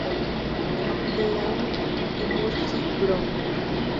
Law" y "Murphy Brown".